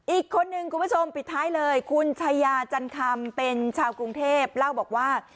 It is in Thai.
อีกคนนึงคุณผู้ชมปิดท้ายเลยคุณชายาจันคำเป็นชาวกรุงเทพเล่าบอกว่า